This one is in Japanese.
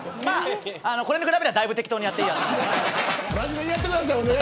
これに比べたらだいぶ適当にやっていいやって。